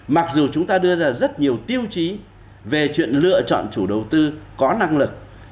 mặc dù chúng ta đưa ra rất nhiều tiêu chí về chuyện lựa chọn chủ đầu tư có năng lực